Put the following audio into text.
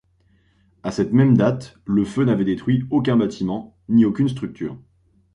À cette même date le feu n'avait détruit aucun bâtiment ni aucune structure.